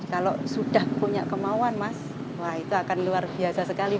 kalau sudah punya kemauan mas wah itu akan luar biasa sekali